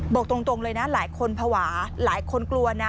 บอกตรงเลยนะหลายคนภาวะหลายคนกลัวนะ